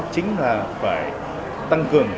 chính là phải tăng cường